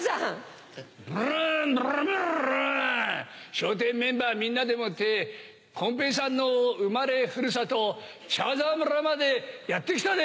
笑点メンバーみんなでもってこん平さんの生まれふるさとチャーザー村までやって来たぜ。